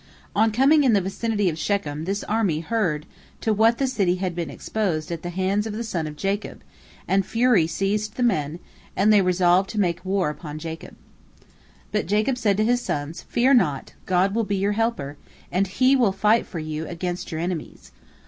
On coming in the vicinity of Shechem, this army heard to what the city had been exposed at the hands of the sons of Jacob, and fury seized the men, and they resolved to make war upon Jacob. But Jacob said to his sons: "Fear not, God will be your helper, and He will fight for you against your enemies.